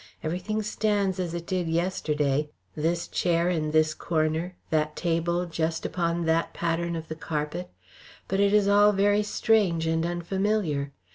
Everything stands as it did yesterday this chair in this corner, that table just upon that pattern of the carpet, but it is all very strange and unfamiliar.